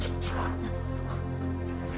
lihat ada apa ini